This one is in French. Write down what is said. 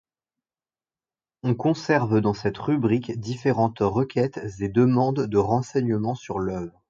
On conserve dans cette rubrique différentes requêtes et demandes de renseignement sur l'œuvre.